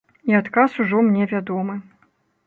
І адказ ужо мне вядомы.